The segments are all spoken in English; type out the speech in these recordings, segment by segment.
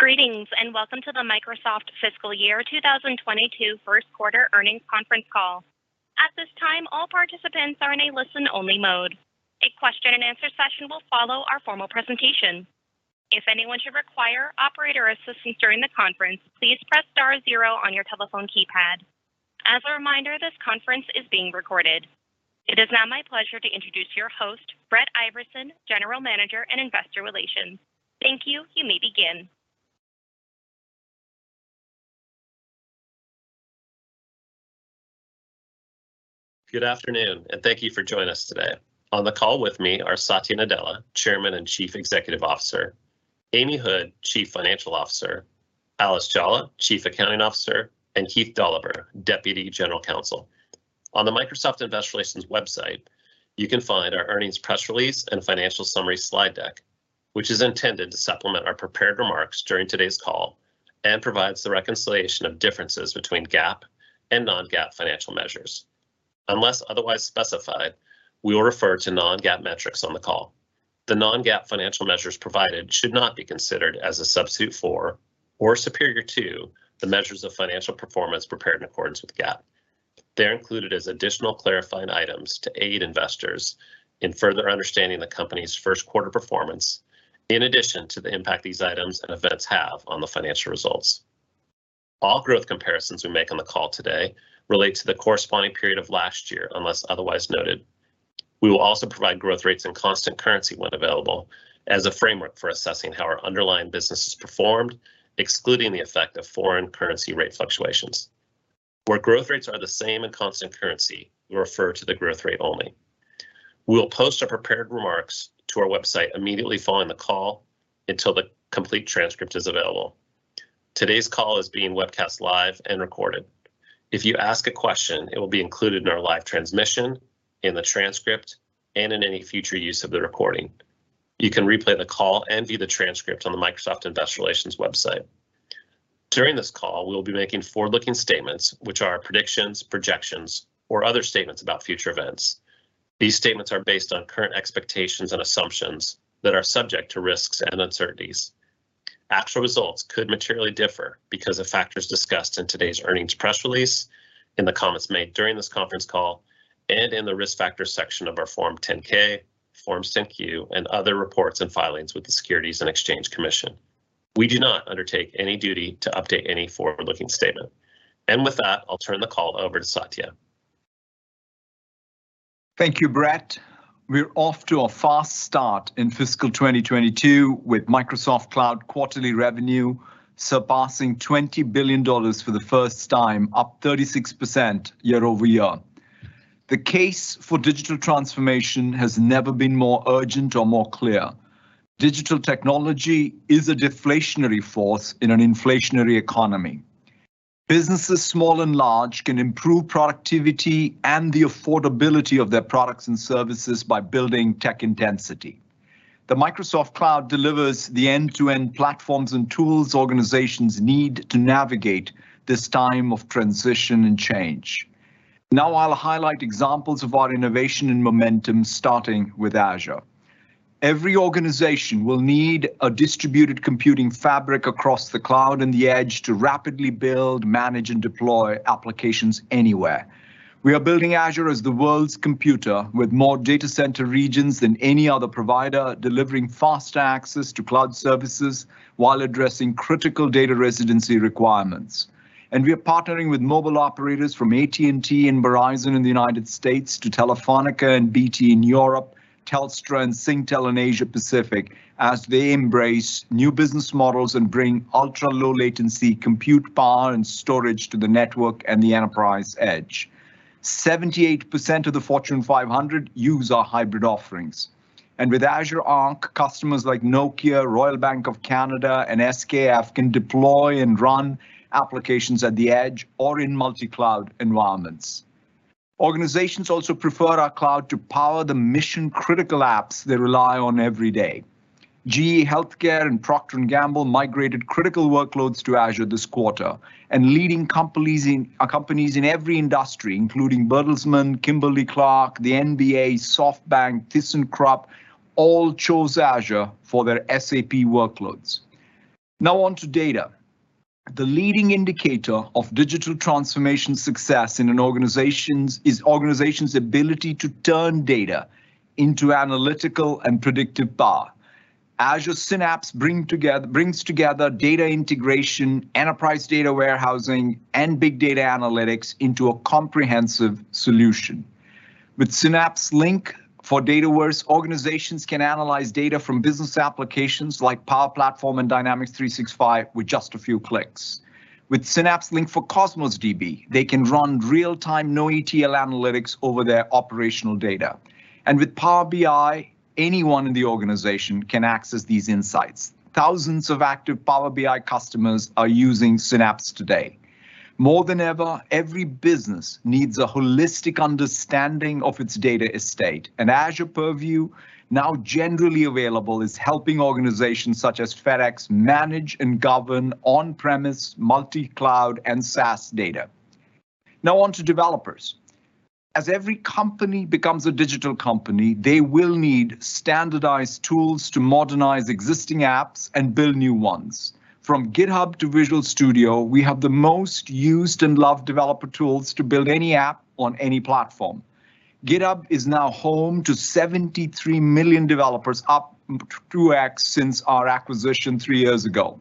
Greetings, and welcome to the Microsoft Fiscal Year 2022 first quarter earnings conference call. At this time, all participants are in a listen-only mode. A question and answer session will follow our formal presentation. If anyone should require operator assistance during the conference, please press star zero on your telephone keypad. As a reminder, this conference is being recorded. It is now my pleasure to introduce your host, Brett Iversen, General Manager, Investor Relations. Thank you. You may begin. Good afternoon, and thank you for joining us today. On the call with me are Satya Nadella, Chairman and Chief Executive Officer, Amy Hood, Chief Financial Officer, Alice Jolla, Chief Accounting Officer, and Keith Dolliver, Deputy General Counsel. On the Microsoft Investor Relations website, you can find our earnings press release and financial summary slide deck, which is intended to supplement our prepared remarks during today's call and provides the reconciliation of differences between GAAP and non-GAAP financial measures. Unless otherwise specified, we will refer to non-GAAP metrics on the call. The non-GAAP financial measures provided should not be considered as a substitute for or superior to the measures of financial performance prepared in accordance with GAAP. They're included as additional clarifying items to aid investors in further understanding the company's first quarter performance in addition to the impact these items and events have on the financial results. All growth comparisons we make on the call today relate to the corresponding period of last year, unless otherwise noted. We will also provide growth rates and constant currency when available as a framework for assessing how our underlying business has performed, excluding the effect of foreign currency rate fluctuations. Where growth rates are the same in constant currency, we refer to the growth rate only. We will post our prepared remarks to our website immediately following the call until the complete transcript is available. Today's call is being webcast live and recorded. If you ask a question, it will be included in our live transmission, in the transcript, and in any future use of the recording. You can replay the call and view the transcript on the Microsoft Investor Relations website. During this call, we will be making forward-looking statements which are predictions, projections, or other statements about future events. These statements are based on current expectations and assumptions that are subject to risks and uncertainties. Actual results could materially differ because of factors discussed in today's earnings press release, in the comments made during this conference call, and in the Risk Factors section of our Form 10-K, Form 10-Q, and other reports and filings with the Securities and Exchange Commission. We do not undertake any duty to update any forward-looking statement. With that, I'll turn the call over to Satya. Thank you, Brett. We're off to a fast start in fiscal 2022 with Microsoft Cloud quarterly revenue surpassing $20 billion for the first time, up 36% year-over-year. The case for digital transformation has never been more urgent or more clear. Digital technology is a deflationary force in an inflationary economy. Businesses, small and large, can improve productivity and the affordability of their products and services by building tech intensity. The Microsoft Cloud delivers the end-to-end platforms and tools organizations need to navigate this time of transition and change. Now I'll highlight examples of our innovation and momentum, starting with Azure. Every organization will need a distributed computing fabric across the cloud and the edge to rapidly build, manage, and deploy applications anywhere. We are building Azure as the world's computer with more data center regions than any other provider, delivering fast access to cloud services while addressing critical data residency requirements. We are partnering with mobile operators from AT&T and Verizon in the United States to Telefónica and BT in Europe, Telstra and Singtel in Asia Pacific as they embrace new business models and bring ultra-low latency, compute power, and storage to the network and the enterprise edge. 78% of the Fortune 500 use our hybrid offerings. With Azure Arc, customers like Nokia, Royal Bank of Canada, and SKF can deploy and run applications at the edge or in multi-cloud environments. Organizations also prefer our cloud to power the mission-critical apps they rely on every day. GE HealthCare and Procter & Gamble migrated critical workloads to Azure this quarter, and leading companies in every industry, including Bertelsmann, Kimberly-Clark, the NBA, SoftBank, ThyssenKrupp, all chose Azure for their SAP workloads. Now on to data. The leading indicator of digital transformation success is an organization's ability to turn data into analytical and predictive power. Azure Synapse brings together data integration, enterprise data warehousing, and big data analytics into a comprehensive solution. With Synapse Link for Data Warehouse, organizations can analyze data from business applications like Power Platform and Dynamics 365 with just a few clicks. With Synapse Link for Cosmos DB, they can run real-time, no ETL analytics over their operational data. With Power BI, anyone in the organization can access these insights. Thousands of active Power BI customers are using Synapse today. More than ever, every business needs a holistic understanding of its data estate. Azure Purview, now generally available, is helping organizations such as FedEx manage and govern on-premise, multi-cloud, and SaaS data. Now on to developers. As every company becomes a digital company, they will need standardized tools to modernize existing apps and build new ones. From GitHub to Visual Studio, we have the most used and loved developer tools to build any app on any platform. GitHub is now home to 73 million developers, up 2x since our acquisition three years ago.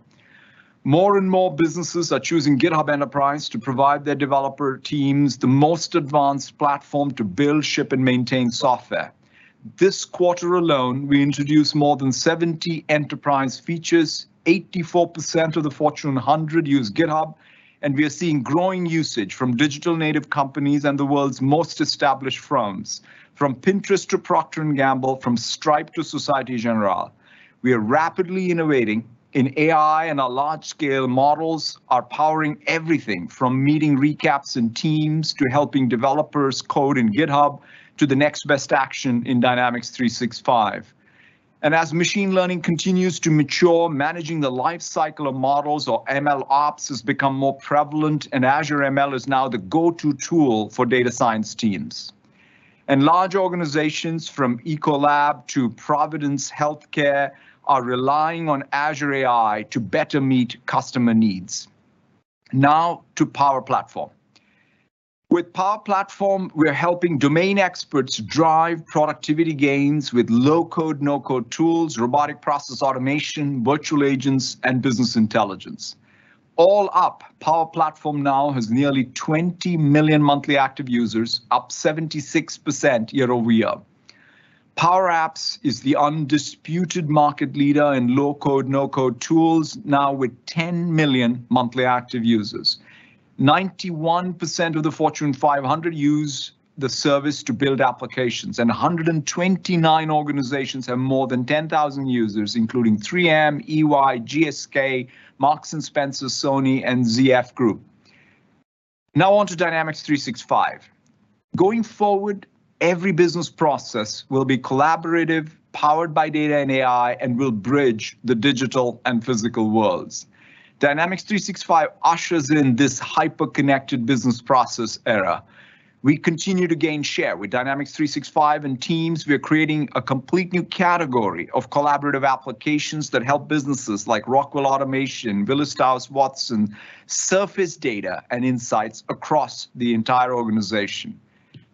More and more businesses are choosing GitHub Enterprise to provide their developer teams the most advanced platform to build, ship, and maintain software. This quarter alone, we introduced more than 70 enterprise features. 84% of the Fortune 100 use GitHub, and we are seeing growing usage from digital native companies and the world's most established firms, from Pinterest to Procter & Gamble, from Stripe to Société Générale. We are rapidly innovating in AI, and our large scale models are powering everything from meeting recaps in Teams to helping developers code in GitHub to the next best action in Dynamics 365. As machine learning continues to mature, managing the life cycle of models or MLOps has become more prevalent, and Azure ML is now the go-to tool for data science teams. Large organizations from Ecolab to Providence Health Care are relying on Azure AI to better meet customer needs. Now to Power Platform. With Power Platform, we're helping domain experts drive productivity gains with low-code, no-code tools, robotic process automation, virtual agents, and business intelligence. All up, Power Platform now has nearly 20 million monthly active users, up 76% year-over-year. Power Apps is the undisputed market leader in low-code, no-code tools, now with 10 million monthly active users. 91% of the Fortune 500 use the service to build applications, and 129 organizations have more than 10,000 users, including 3M, EY, GSK, Marks & Spencer, Sony, and ZF Group. Now on to Dynamics 365. Going forward, every business process will be collaborative, powered by data and AI, and will bridge the digital and physical worlds. Dynamics 365 ushers in this hyper-connected business process era. We continue to gain share. With Dynamics 365 and Teams, we are creating a complete new category of collaborative applications that help businesses like Rockwell Automation, Willis Towers Watson, surface data and insights across the entire organization.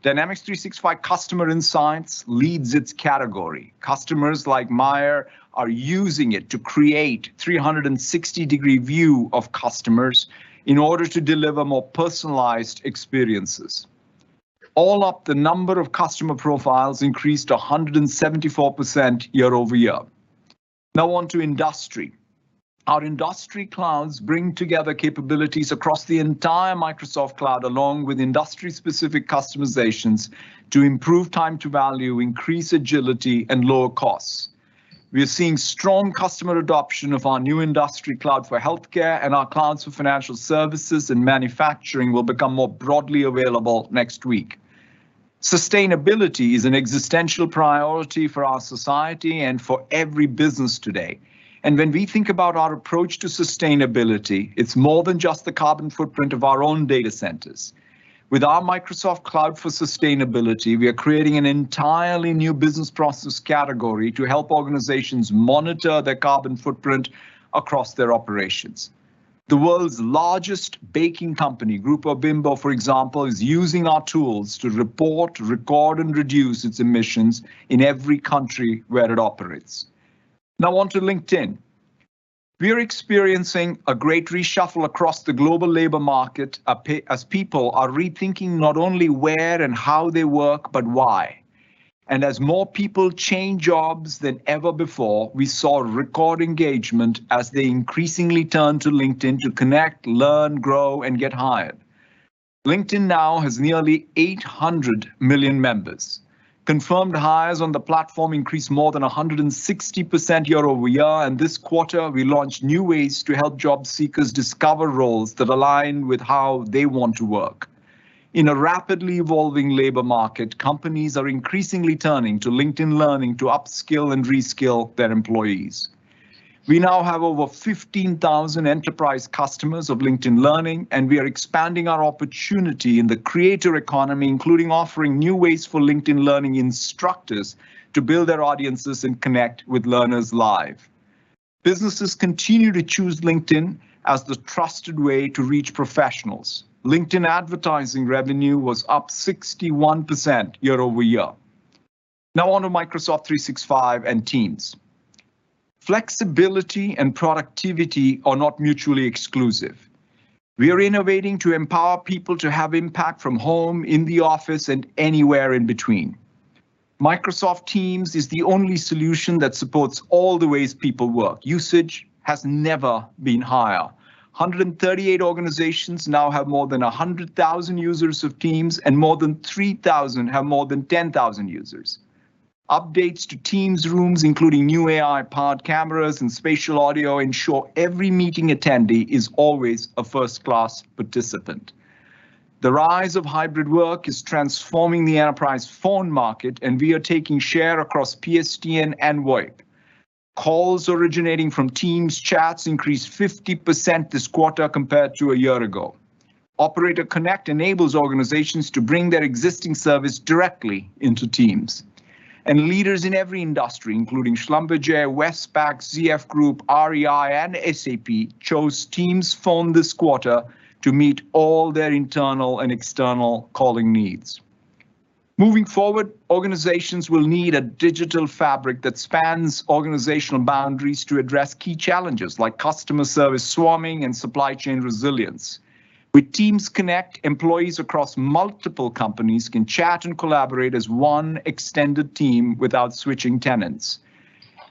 Dynamics 365 Customer Insights leads its category. Customers like Meijer are using it to create a 360-degree view of customers in order to deliver more personalized experiences. All up, the number of customer profiles increased 174% year-over-year. Now on to industry. Our industry clouds bring together capabilities across the entire Microsoft Cloud, along with industry-specific customizations to improve time to value, increase agility, and lower costs. We are seeing strong customer adoption of our new industry cloud for healthcare, and our clouds for financial services and manufacturing will become more broadly available next week. Sustainability is an existential priority for our society and for every business today, and when we think about our approach to sustainability, it's more than just the carbon footprint of our own data centers. With our Microsoft Cloud for Sustainability, we are creating an entirely new business process category to help organizations monitor their carbon footprint across their operations. The world's largest baking company, Grupo Bimbo, for example, is using our tools to report, record, and reduce its emissions in every country where it operates. Now on to LinkedIn. We are experiencing a great reshuffle across the global labor market as people are rethinking not only where and how they work, but why. As more people change jobs than ever before, we saw record engagement as they increasingly turn to LinkedIn to connect, learn, grow, and get hired. LinkedIn now has nearly 800 million members. Confirmed hires on the platform increased more than 160% year-over-year, and this quarter, we launched new ways to help job seekers discover roles that align with how they want to work. In a rapidly evolving labor market, companies are increasingly turning to LinkedIn Learning to upskill and reskill their employees. We now have over 15,000 enterprise customers of LinkedIn Learning, and we are expanding our opportunity in the creator economy, including offering new ways for LinkedIn Learning instructors to build their audiences and connect with learners live. Businesses continue to choose LinkedIn as the trusted way to reach professionals. LinkedIn advertising revenue was up 61% year-over-year. Now onto Microsoft 365 and Teams. Flexibility and productivity are not mutually exclusive. We are innovating to empower people to have impact from home, in the office, and anywhere in between. Microsoft Teams is the only solution that supports all the ways people work. Usage has never been higher. 138 organizations now have more than 100,000 users of Teams, and more than 3,000 have more than 10,000 users. Updates to Teams rooms, including new AI pod cameras and spatial audio, ensure every meeting attendee is always a first-class participant. The rise of hybrid work is transforming the enterprise phone market, and we are taking share across PSTN and VoIP. Calls originating from Teams chats increased 50% this quarter compared to a year ago. Operator Connect enables organizations to bring their existing service directly into Teams. Leaders in every industry, including Schlumberger, Westpac, ZF Group, REI, and SAP, chose Teams Phone this quarter to meet all their internal and external calling needs. Moving forward, organizations will need a digital fabric that spans organizational boundaries to address key challenges, like customer service swarming and supply chain resilience. With Teams Connect, employees across multiple companies can chat and collaborate as one extended team without switching tenants.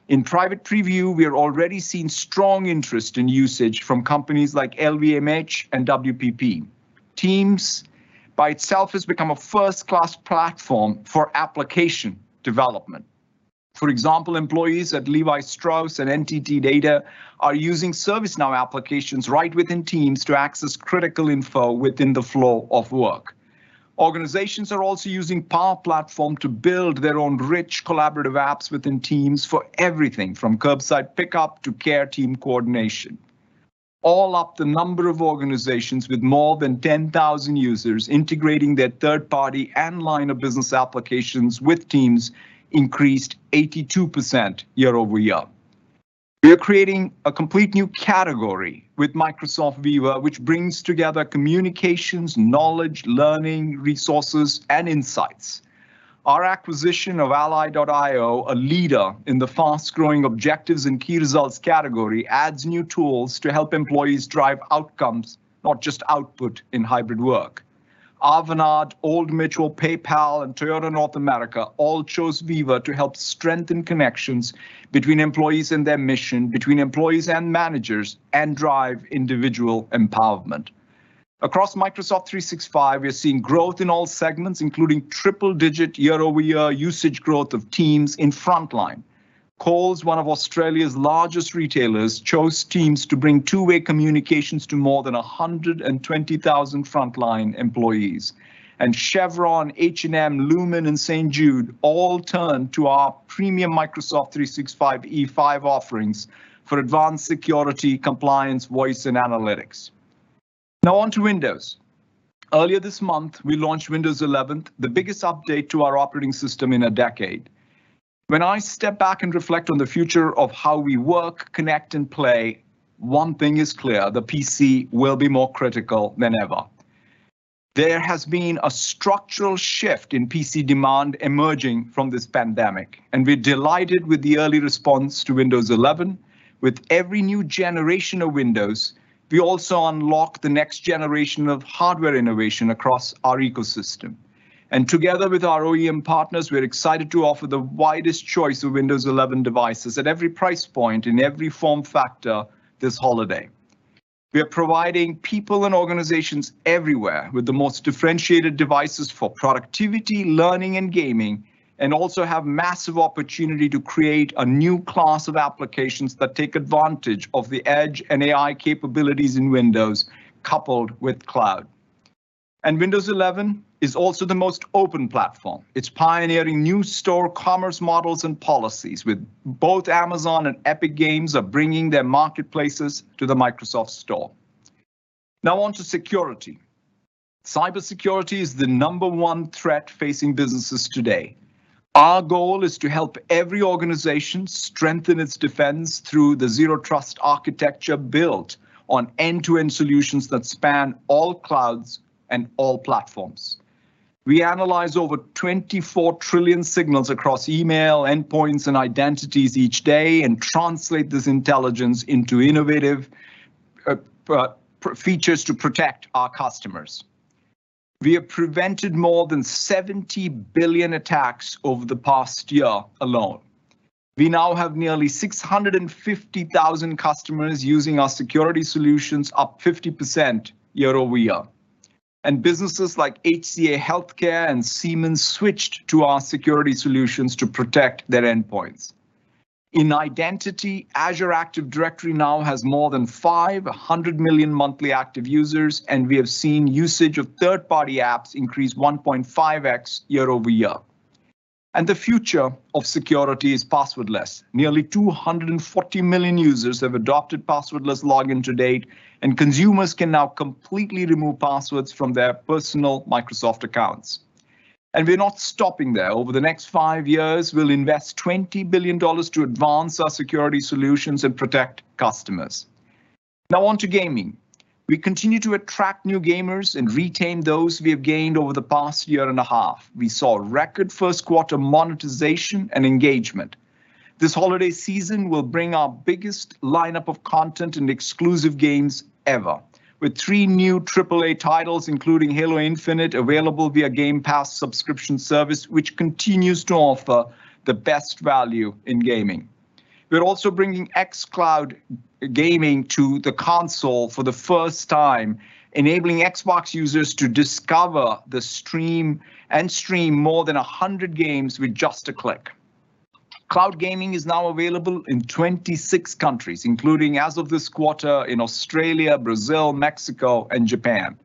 In private preview, we are already seeing strong interest in usage from companies like LVMH and WPP. Teams by itself has become a first-class platform for application development. For example, employees at Levi Strauss and NTT DATA are using ServiceNow applications right within Teams to access critical info within the flow of work. Organizations are also using Power Platform to build their own rich collaborative apps within Teams for everything, from curbside pickup to care team coordination. All up, the number of organizations with more than 10,000 users integrating their third party and line of business applications with Teams increased 82% year over year. We are creating a complete new category with Microsoft Viva, which brings together communications, knowledge, learning, resources, and insights. Our acquisition of Ally.io, a leader in the fast-growing objectives and key results category, adds new tools to help employees drive outcomes, not just output in hybrid work. Avanade, Old Mutual, PayPal, and Toyota Motor North America all chose Viva to help strengthen connections between employees and their mission, between employees and managers, and drive individual empowerment. Across Microsoft 365, we are seeing growth in all segments, including triple digit year-over-year usage growth of Teams in frontline. Coles, one of Australia's largest retailers, chose Teams to bring two-way communications to more than 120,000 frontline employees. Chevron, H&M, Lumen, and St. Jude all turn to our premium Microsoft 365 E5 offerings for advanced security, compliance, voice, and analytics. Now on to Windows. Earlier this month, we launched Windows 11, the biggest update to our operating system in a decade. When I step back and reflect on the future of how we work, connect, and play, one thing is clear, the PC will be more critical than ever. There has been a structural shift in PC demand emerging from this pandemic, and we're delighted with the early response to Windows 11. With every new generation of Windows, we also unlock the next generation of hardware innovation across our ecosystem. Together with our OEM partners, we're excited to offer the widest choice of Windows 11 devices at every price point in every form factor this holiday. We are providing people and organizations everywhere with the most differentiated devices for productivity, learning, and gaming, and also have massive opportunity to create a new class of applications that take advantage of the edge and AI capabilities in Windows, coupled with cloud. Windows 11 is also the most open platform. It's pioneering new store commerce models and policies, with both Amazon and Epic Games bringing their marketplaces to the Microsoft Store. Now on to security. Cybersecurity is the number one threat facing businesses today. Our goal is to help every organization strengthen its defense through the zero trust architecture built on end-to-end solutions that span all clouds and all platforms. We analyze over 24 trillion signals across email, endpoints, and identities each day and translate this intelligence into innovative features to protect our customers. We have prevented more than 70 billion attacks over the past year alone. We now have nearly 650,000 customers using our security solutions, up 50% year-over-year. Businesses like HCA Healthcare and Siemens switched to our security solutions to protect their endpoints. In identity, Azure Active Directory now has more than 500 million monthly active users, and we have seen usage of third-party apps increase 1.5x year-over-year. The future of security is passwordless. Nearly 240 million users have adopted passwordless login to date, and consumers can now completely remove passwords from their personal Microsoft accounts. We're not stopping there. Over the next five years, we'll invest $20 billion to advance our security solutions and protect customers. Now on to gaming. We continue to attract new gamers and retain those we have gained over the past year and a half. We saw record first-quarter monetization and engagement. This holiday season will bring our biggest lineup of content and exclusive games ever, with three new triple-A titles, including Halo Infinite, available via Game Pass subscription service, which continues to offer the best value in gaming. We're also bringing xCloud gaming to the console for the first time, enabling Xbox users to discover the stream and stream more than 100 games with just a click. Cloud gaming is now available in 26 countries, including as of this quarter in Australia, Brazil, Mexico, and Japan.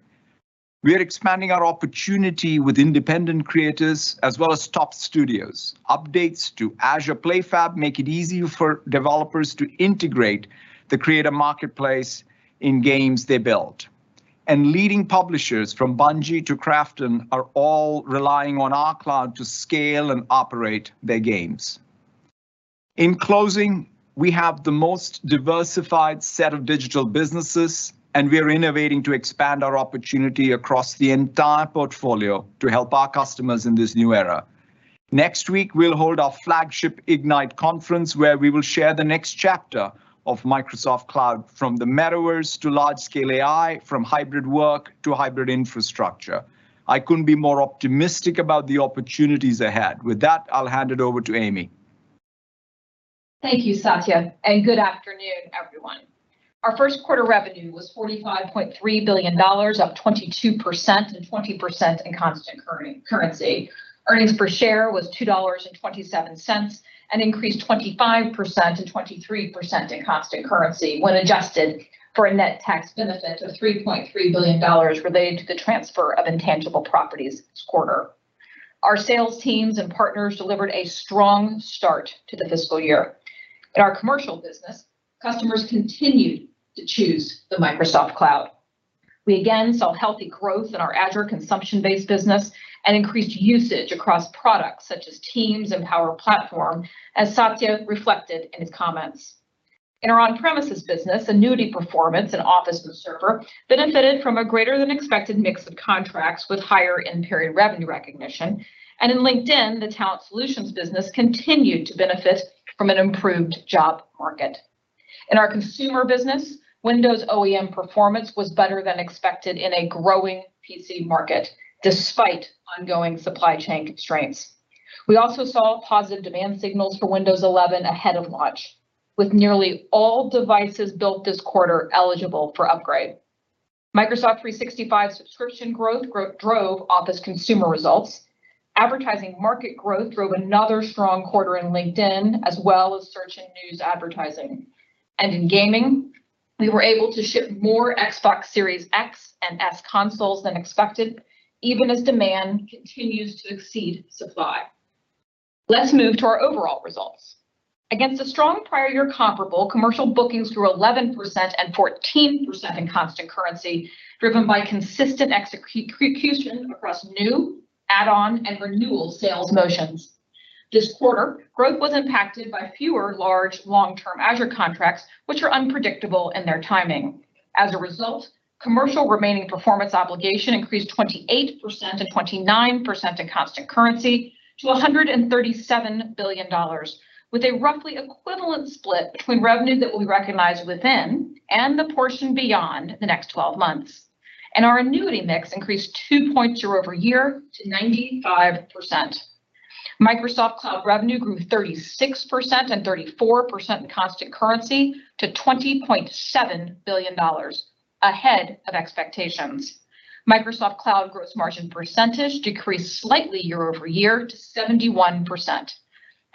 We are expanding our opportunity with independent creators as well as top studios. Updates to Azure PlayFab make it easier for developers to integrate the Creator Marketplace in games they build. Leading publishers from Bungie to Krafton are all relying on our cloud to scale and operate their games. In closing, we have the most diversified set of digital businesses, and we are innovating to expand our opportunity across the entire portfolio to help our customers in this new era. Next week, we'll hold our flagship Ignite conference, where we will share the next chapter of Microsoft Cloud, from the metaverse to large-scale AI, from hybrid work to hybrid infrastructure. I couldn't be more optimistic about the opportunities ahead. With that, I'll hand it over to Amy. Thank you, Satya, and good afternoon, everyone. Our first quarter revenue was $45.3 billion, up 22% and 20% in constant currency. Earnings per share was $2.27, an increase 25% and 23% in constant currency when adjusted for a net tax benefit of $3.3 billion related to the transfer of intangible properties this quarter. Our sales teams and partners delivered a strong start to the fiscal year. In our commercial business, customers continued to choose the Microsoft Cloud. We again saw healthy growth in our Azure consumption-based business and increased usage across products such as Teams and Power Platform, as Satya reflected in his comments. In our on-premises business, annuity performance in Office and Server benefited from a greater-than-expected mix of contracts with higher end-period revenue recognition. In LinkedIn, the talent solutions business continued to benefit from an improved job market. In our consumer business, Windows OEM performance was better than expected in a growing PC market despite ongoing supply chain constraints. We also saw positive demand signals for Windows 11 ahead of launch, with nearly all devices built this quarter eligible for upgrade. Microsoft 365 subscription growth drove Office Consumer results. Advertising market growth drove another strong quarter in LinkedIn, as well as search and news advertising. In gaming, we were able to ship more Xbox Series X and S consoles than expected, even as demand continues to exceed supply. Let's move to our overall results. Against a strong prior-year comparable, commercial bookings grew 11% and 14% in constant currency, driven by consistent execution across new, add-on, and renewal sales motions. This quarter, growth was impacted by fewer large, long-term Azure contracts, which are unpredictable in their timing. As a result, commercial remaining performance obligation increased 28% to 29% in constant currency to $137 billion, with a roughly equivalent split between revenue that we recognize within and the portion beyond the next 12 months. Our annuity mix increased 2 points year-over-year to 95%. Microsoft Cloud revenue grew 36% and 34% in constant currency to $20.7 billion, ahead of expectations. Microsoft Cloud gross margin percentage decreased slightly year-over-year to 71%.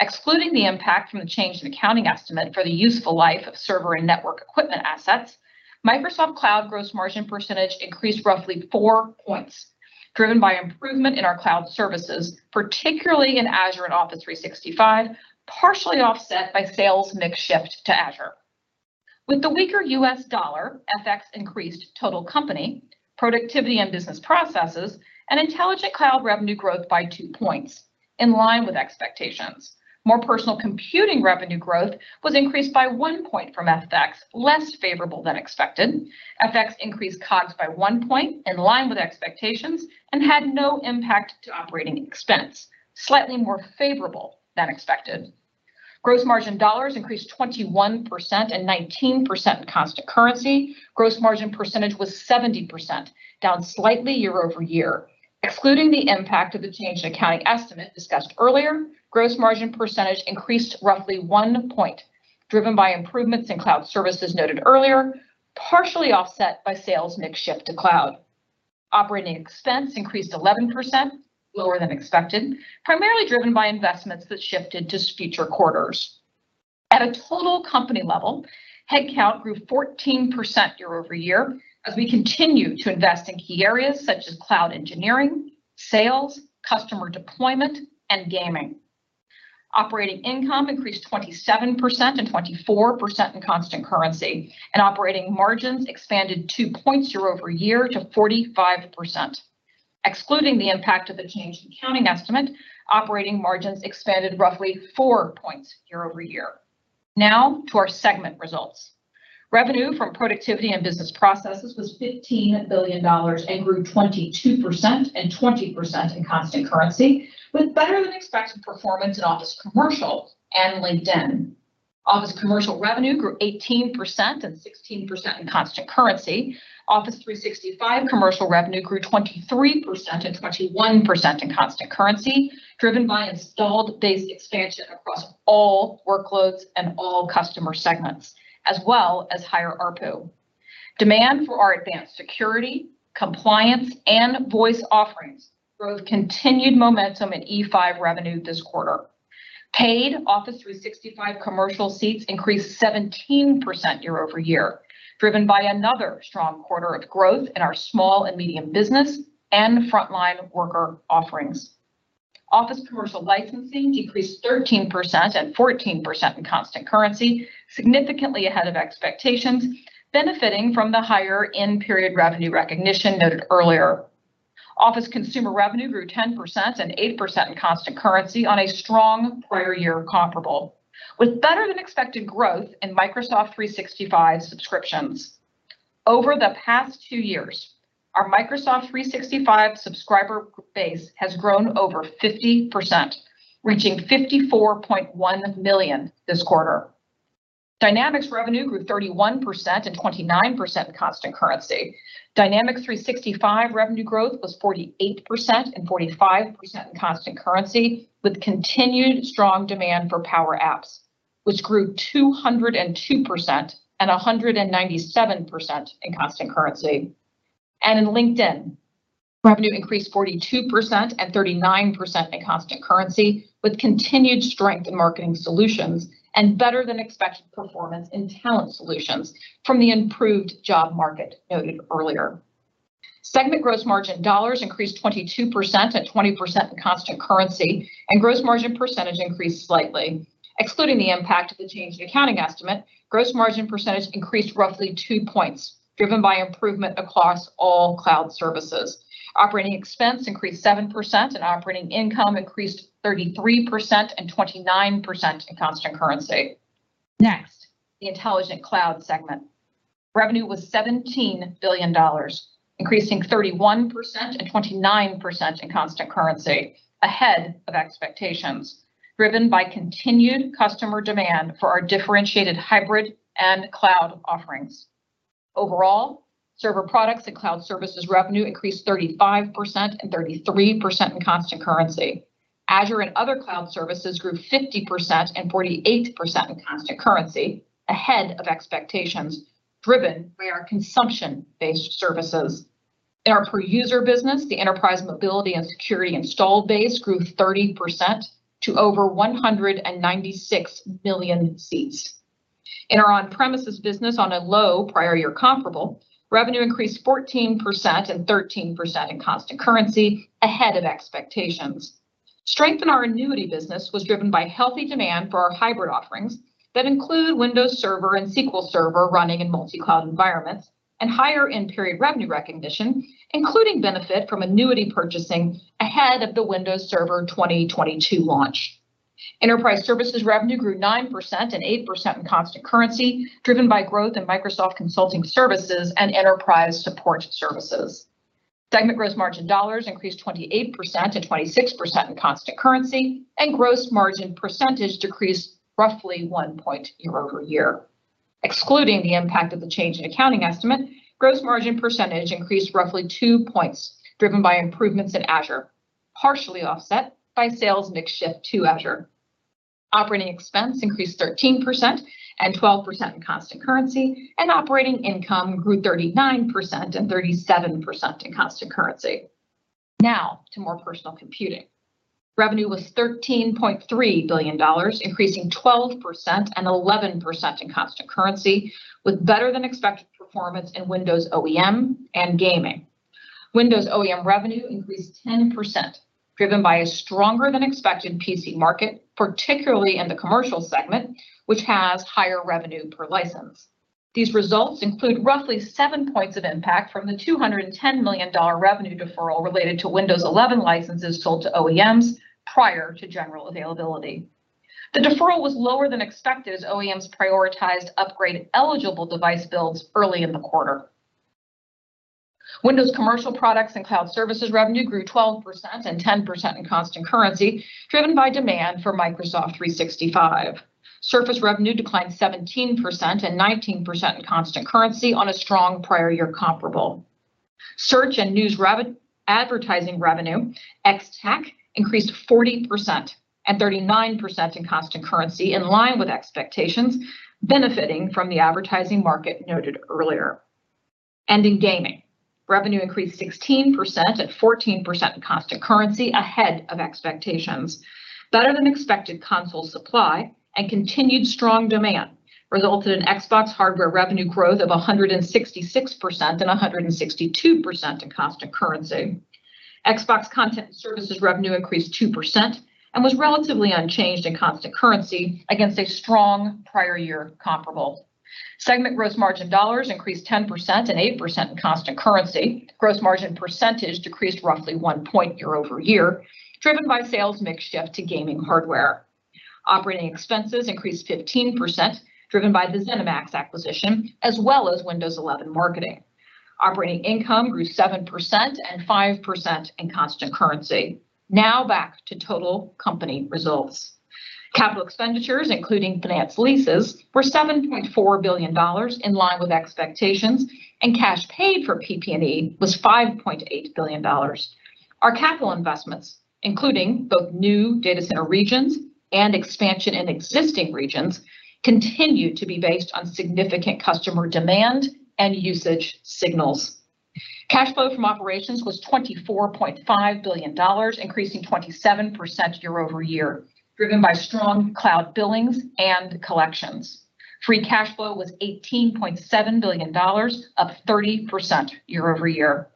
Excluding the impact from the change in accounting estimate for the useful life of server and network equipment assets, Microsoft Cloud gross margin percentage increased roughly four points, driven by improvement in our cloud services, particularly in Azure and Office 365, partially offset by sales mix shift to Azure. With the weaker U.S. dollar, FX increased total company Productivity and Business Processes and Intelligent Cloud revenue growth by two points, in line with expectations. More Personal Computing revenue growth was increased by one point from FX, less favorable than expected. FX increased COGS by one point, in line with expectations, and had no impact to operating expense, slightly more favorable than expected. Gross margin dollars increased 21% and 19% in constant currency. Gross margin percentage was 70%, down slightly year-over-year. Excluding the impact of the change in accounting estimate discussed earlier, gross margin percentage increased roughly one point, driven by improvements in cloud services noted earlier, partially offset by sales mix shift to cloud. Operating expense increased 11%, lower than expected, primarily driven by investments that shifted to future quarters. At a total company level, headcount grew 14% year-over-year as we continue to invest in key areas such as cloud engineering, sales, customer deployment, and gaming. Operating income increased 27% and 24% in constant currency, and operating margins expanded two points year-over-year to 45%. Excluding the impact of the change in accounting estimate, operating margins expanded roughly four points year-over-year. Now to our segment results. Revenue from productivity and business processes was $15 billion and grew 22% and 20% in constant currency, with better-than-expected performance in Office Commercial and LinkedIn. Office Commercial revenue grew 18% and 16% in constant currency. Office 365 commercial revenue grew 23% and 21% in constant currency, driven by installed base expansion across all workloads and all customer segments, as well as higher ARPU. Demand for our advanced security, compliance, and voice offerings drove continued momentum in E5 revenue this quarter. Paid Office 365 commercial seats increased 17% year-over-year, driven by another strong quarter of growth in our small and medium business and frontline worker offerings. Office Commercial licensing decreased 13% and 14% in constant currency, significantly ahead of expectations, benefiting from the higher in-period revenue recognition noted earlier. Office Consumer revenue grew 10% and 8% in constant currency on a strong prior year comparable, with better-than-expected growth in Microsoft 365 subscriptions. Over the past two years, our Microsoft 365 subscriber base has grown over 50%, reaching 54.1 million this quarter. Dynamics revenue grew 31% and 29% in constant currency. Dynamics 365 revenue growth was 48% and 45% in constant currency, with continued strong demand for Power Apps, which grew 202% and 197% in constant currency. In LinkedIn, revenue increased 42% and 39% in constant currency, with continued strength in marketing solutions and better-than-expected performance in talent solutions from the improved job market noted earlier. Segment gross margin dollars increased 22% and 20% in constant currency, and gross margin percentage increased slightly. Excluding the impact of the change in accounting estimate, gross margin percentage increased roughly two points, driven by improvement across all cloud services. Operating expense increased 7%, and operating income increased 33% and 29% in constant currency. Next, the Intelligent Cloud segment. Revenue was $17 billion, increasing 31% and 29% in constant currency, ahead of expectations, driven by continued customer demand for our differentiated hybrid and cloud offerings. Overall, server products and cloud services revenue increased 35% and 33% in constant currency. Azure and other cloud services grew 50% and 48% in constant currency, ahead of expectations, driven by our consumption-based services. In our per user business, the Enterprise Mobility + Security installed base grew 30% to over 196 million seats. In our on-premises business on a low prior year comparable, revenue increased 14% and 13% in constant currency ahead of expectations. Strength in our annuity business was driven by healthy demand for our hybrid offerings that include Windows Server and SQL Server running in multi-cloud environments and higher end period revenue recognition, including benefit from annuity purchasing ahead of the Windows Server 2022 launch. Enterprise services revenue grew 9% and 8% in constant currency, driven by growth in Microsoft Consulting Services and enterprise support services. Segment gross margin dollars increased 28% to 26% in constant currency, and gross margin percentage decreased roughly one point year-over-year. Excluding the impact of the change in accounting estimate, gross margin percentage increased roughly two points, driven by improvements in Azure, partially offset by sales mix shift to Azure. Operating expense increased 13% and 12% in constant currency, and operating income grew 39% and 37% in constant currency. Now to More Personal Computing. Revenue was $13.3 billion, increasing 12% and 11% in constant currency, with better-than-expected performance in Windows OEM and gaming. Windows OEM revenue increased 10%, driven by a stronger-than-expected PC market, particularly in the commercial segment, which has higher revenue per license. These results include roughly seven points of impact from the $210 million revenue deferral related to Windows 11 licenses sold to OEMs prior to general availability. The deferral was lower than expected as OEMs prioritized upgrade-eligible device builds early in the quarter. Windows commercial products and cloud services revenue grew 12% and 10% in constant currency, driven by demand for Microsoft 365. Surface revenue declined 17% and 19% in constant currency on a strong prior year comparable. Search and news advertising revenue ex-TAC increased 40% and 39% in constant currency in line with expectations, benefiting from the advertising market noted earlier. In gaming, revenue increased 16% and 14% in constant currency ahead of expectations. Better-than-expected console supply and continued strong demand resulted in Xbox hardware revenue growth of 166% and 162% in constant currency. Xbox content and services revenue increased 2% and was relatively unchanged in constant currency against a strong prior year comparable. Segment gross margin dollars increased 10% and 8% in constant currency. Gross margin percentage decreased roughly 1 point year-over-year, driven by sales mix shift to gaming hardware. Operating expenses increased 15%, driven by the ZeniMax acquisition, as well as Windows 11 marketing. Operating income grew 7% and 5% in constant currency. Now back to total company results. Capital expenditures, including finance leases, were $7.4 billion, in line with expectations, and cash paid for PP&E was $5.8 billion. Our capital investments, including both new data center regions and expansion in existing regions, continue to be based on significant customer demand and usage signals. Cash flow from operations was $24.5 billion, increasing 27% year-over-year, driven by strong cloud billings and collections. Free cash flow was $18.7 billion, up 30% year-over-year.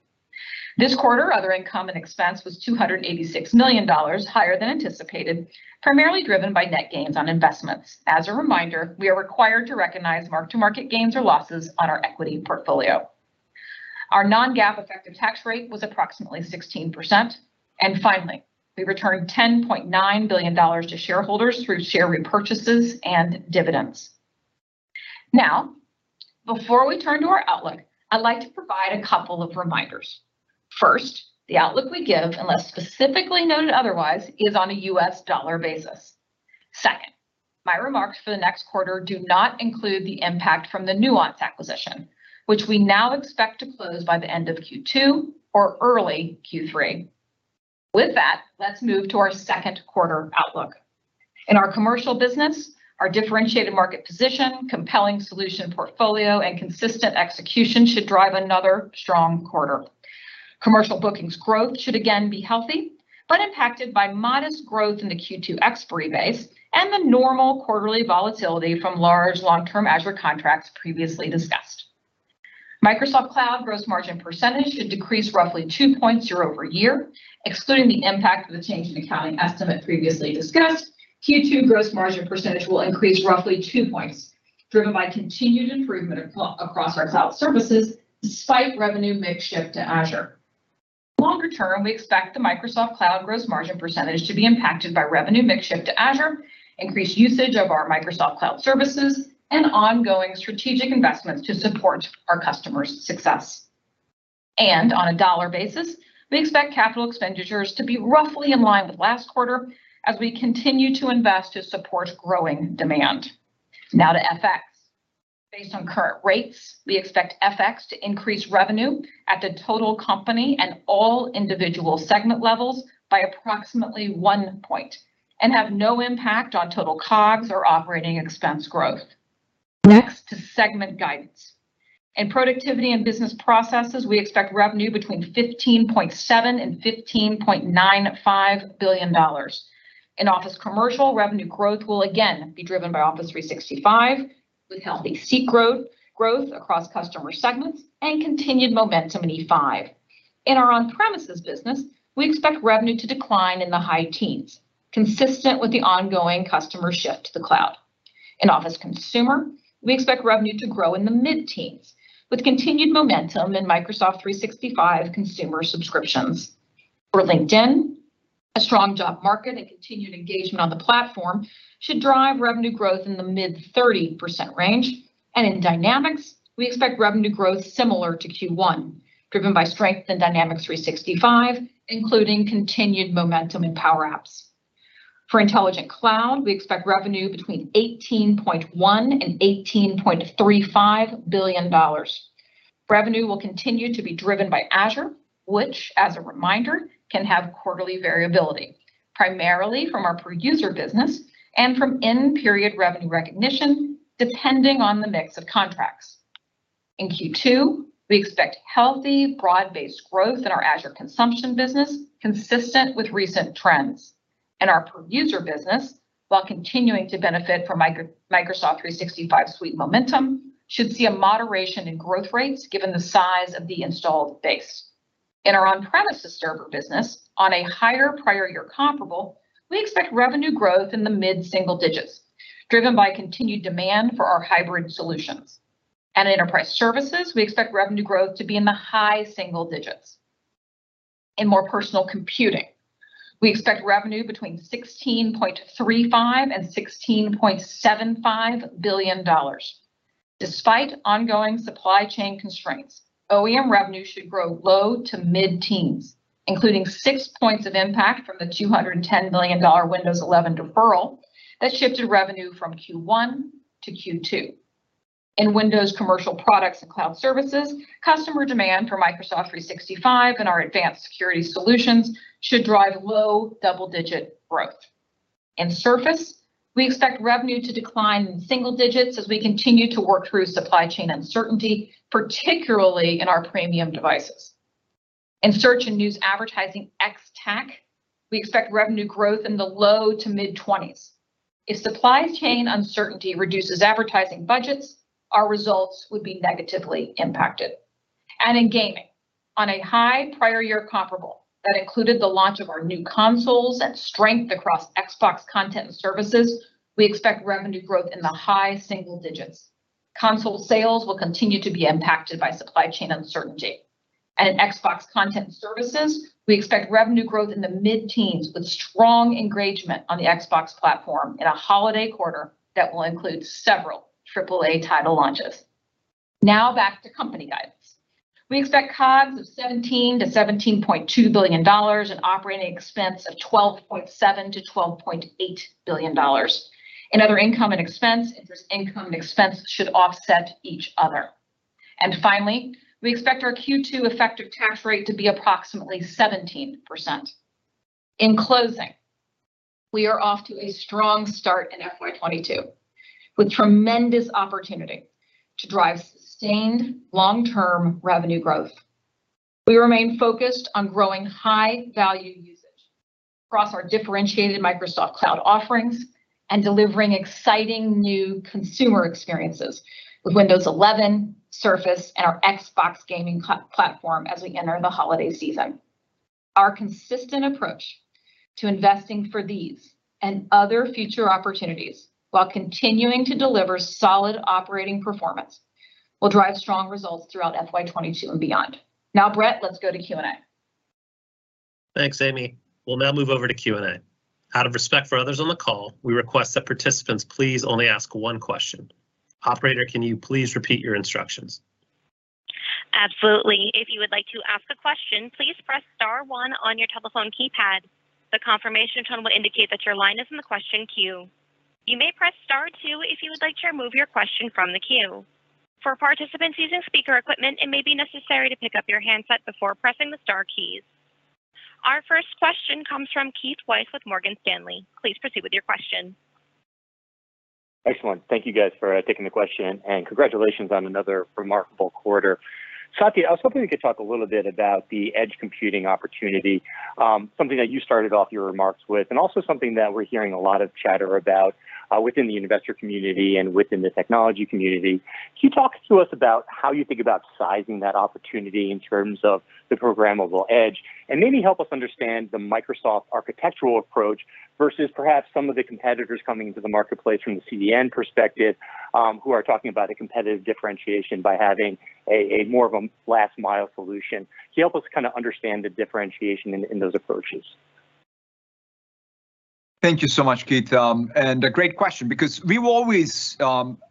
This quarter, other income and expense was $286 million, higher than anticipated, primarily driven by net gains on investments. As a reminder, we are required to recognize mark-to-market gains or losses on our equity portfolio. Our non-GAAP effective tax rate was approximately 16%. Finally, we returned $10.9 billion to shareholders through share repurchases and dividends. Now, before we turn to our outlook, I'd like to provide a couple of reminders. First, the outlook we give, unless specifically noted otherwise, is on a U.S. dollar basis. Second, my remarks for the next quarter do not include the impact from the Nuance acquisition, which we now expect to close by the end of Q2 or early Q3. With that, let's move to our second quarter outlook. In our commercial business, our differentiated market position, compelling solution portfolio, and consistent execution should drive another strong quarter. Commercial bookings growth should again be healthy, but impacted by modest growth in the Q2 expiry base and the normal quarterly volatility from large long-term Azure contracts previously discussed. Microsoft Cloud gross margin percentage should decrease roughly two points year-over-year, excluding the impact of the change in accounting estimate previously discussed. Q2 gross margin percentage will increase roughly two points, driven by continued improvement across our cloud services despite revenue mix shift to Azure. Longer term, we expect the Microsoft Cloud gross margin percentage to be impacted by revenue mix shift to Azure, increased usage of our Microsoft Cloud services, and ongoing strategic investments to support our customers' success. On a dollar basis, we expect capital expenditures to be roughly in line with last quarter as we continue to invest to support growing demand. Now to FX. Based on current rates, we expect FX to increase revenue at the total company and all individual segment levels by approximately 1% and have no impact on total COGS or operating expense growth. Next, segment guidance. In productivity and business processes, we expect revenue between $15.7 billion and $15.95 billion. In Office Commercial, revenue growth will again be driven by Office 365, with healthy seat growth across customer segments, and continued momentum in E5. In our on-premises business, we expect revenue to decline in the high teens, consistent with the ongoing customer shift to the cloud. In Office Consumer, we expect revenue to grow in the mid-teens with continued momentum in Microsoft 365 consumer subscriptions. For LinkedIn, a strong job market and continued engagement on the platform should drive revenue growth in the mid-30% range. In Dynamics, we expect revenue growth similar to Q1, driven by strength in Dynamics 365, including continued momentum in Power Apps. For Intelligent Cloud, we expect revenue between $18.1 billion and $18.35 billion. Revenue will continue to be driven by Azure, which, as a reminder, can have quarterly variability, primarily from our per-user business and from end-period revenue recognition, depending on the mix of contracts. In Q2, we expect healthy, broad-based growth in our Azure consumption business, consistent with recent trends. In our per-user business, while continuing to benefit from Microsoft 365 suite momentum, should see a moderation in growth rates given the size of the installed base. In our on-premises server business, on a higher prior year comparable, we expect revenue growth in the mid-single digits, driven by continued demand for our hybrid solutions. At Enterprise Services, we expect revenue growth to be in the high single digits. In More Personal Computing, we expect revenue between $16.35 billion and $16.75 billion. Despite ongoing supply chain constraints, OEM revenue should grow low to mid-teens, including six points of impact from the $210 million Windows 11 deferral that shifted revenue from Q1 to Q2. In Windows Commercial Products and Cloud Services, customer demand for Microsoft 365 and our advanced security solutions should drive low double-digit growth. In Surface, we expect revenue to decline in single digits as we continue to work through supply chain uncertainty, particularly in our premium devices. In Search and News Advertising ex-TAC, we expect revenue growth in the low to mid-20s. If supply chain uncertainty reduces advertising budgets, our results would be negatively impacted. In gaming, on a high prior year comparable that included the launch of our new consoles and strength across Xbox content and services, we expect revenue growth in the high single digits. Console sales will continue to be impacted by supply chain uncertainty. In Xbox content and services, we expect revenue growth in the mid-teens with strong engagement on the Xbox platform in a holiday quarter that will include several triple-A title launches. Now back to company guidance. We expect COGS of $17-$17.2 billion and operating expense of $12.7-$12.8 billion. In other income and expense, interest income and expense should offset each other. Finally, we expect our Q2 effective tax rate to be approximately 17%. In closing, we are off to a strong start in FY 2022, with tremendous opportunity to drive sustained long-term revenue growth. We remain focused on growing high-value use cases across our differentiated Microsoft Cloud offerings and delivering exciting new consumer experiences with Windows 11, Surface, and our Xbox gaming ecosystem as we enter the holiday season. Our consistent approach to investing for these and other future opportunities while continuing to deliver solid operating performance will drive strong results throughout FY 2022 and beyond. Now, Brett, let's go to Q&A. Thanks, Amy. We'll now move over to Q&A. Out of respect for others on the call, we request that participants please only ask one question. Operator, can you please repeat your instructions? Absolutely. If you would like to ask a question, please press star one on your telephone keypad. The confirmation tone will indicate that your line is in the question queue. You may press star two if you would like to remove your question from the queue. For participants using speaker equipment, it may be necessary to pick up your handset before pressing the star keys. Our first question comes from Keith Weiss with Morgan Stanley. Please proceed with your question. Excellent. Thank you guys for taking the question, and congratulations on another remarkable quarter. Satya, I was hoping we could talk a little bit about the edge computing opportunity, something that you started off your remarks with, and also something that we're hearing a lot of chatter about within the investor community and within the technology community. Can you talk to us about how you think about sizing that opportunity in terms of the programmable edge? And maybe help us understand the Microsoft architectural approach versus perhaps some of the competitors coming into the marketplace from the CDN perspective, who are talking about a competitive differentiation by having a more of a last mile solution. Can you help us kind of understand the differentiation in those approaches? Thank you so much, Keith. A great question because we've always,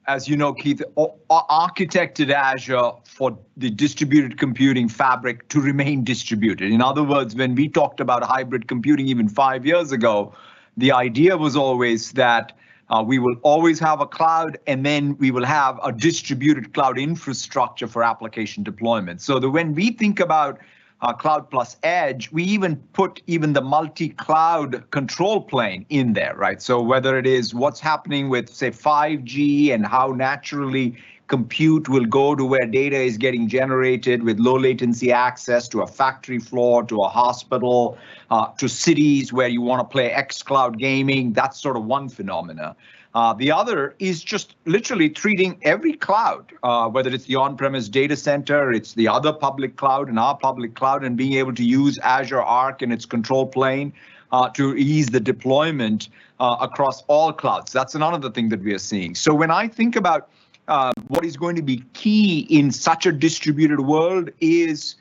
as you know, Keith, architected Azure for the distributed computing fabric to remain distributed. In other words, when we talked about hybrid computing even five years ago, the idea was always that we will always have a cloud, and then we will have a distributed cloud infrastructure for application deployment so that when we think about our cloud plus edge, we even put the multi-cloud control plane in there, right? Whether it is what's happening with, say, 5G and how naturally compute will go to where data is getting generated with low latency access to a factory floor, to a hospital, to cities where you wanna play xCloud gaming, that's sort of one phenomenon. The other is just literally treating every cloud, whether it's the on-premises data center or it's the other public cloud and our public cloud, and being able to use Azure Arc and its control plane to ease the deployment across all clouds. That's another thing that we are seeing. When I think about what is going to be key in such a distributed world is